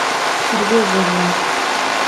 — Рвезе-влак!